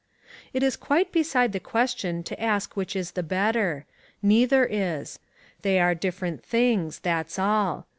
It is quite beside the question to ask which is the better. Neither is. They are different things: that's all.